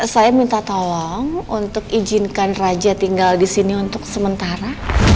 saya minta tolong untuk izinkan raja tinggal di sini untuk sementara